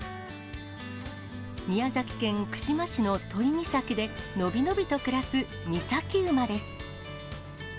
宮崎県串間市の都井岬で、伸び伸びと暮らす御崎馬です。